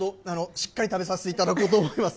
しっかり食べさせていただこうと思います。